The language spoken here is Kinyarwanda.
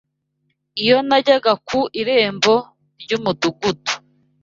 Iyo najyaga ku irembo ry’umudugudu